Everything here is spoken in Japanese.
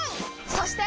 そして！